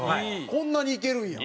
こんなにいけるんや。